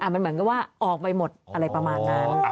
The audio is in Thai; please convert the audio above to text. มันเหมือนกับว่าออกไปหมดอะไรประมาณนั้น